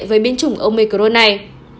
với biến chủng omicron này